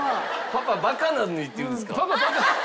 パパバカなのにって言うんですか？